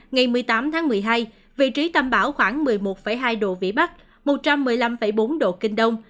ngày một mươi tám tháng một mươi hai vị trí tâm bão khoảng một mươi một hai độ vĩ bắc một trăm một mươi năm bốn độ kinh đông